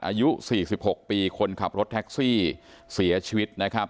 อายุ๔๖ปีคนขับรถแท็กซี่เสียชีวิตนะครับ